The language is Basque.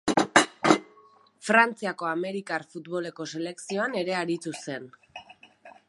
Frantziako amerikar futboleko selekzioan ere aritu zen.